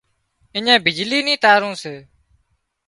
اڃين بجلي نِي تارُون سي